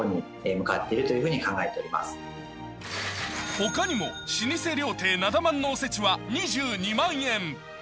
他にも老舗料亭なだ万のおせちは２７万円。